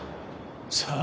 さあ。